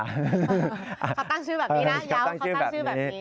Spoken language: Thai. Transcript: เขาตั้งชื่อแบบนี้นะย้ำว่าเขาตั้งชื่อแบบนี้